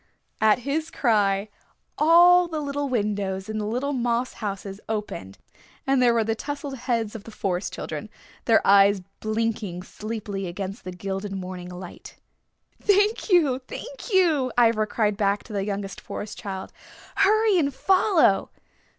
At his cry all the little windows in the little moss houses opened and there were the tousled heads of the Forest Children, their eyes blinking sleepily against the gilded morning light. "Thank you, thank you," Ivra cried back to the youngest Forest Child. "Hurry and follow."